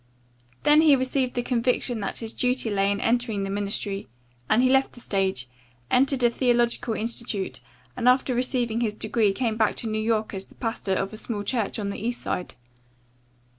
Then he received the conviction that his duty lay in entering the ministry and he left the stage, entered a theological institute and after receiving his degree came back to New York as the pastor of a small church on the East Side.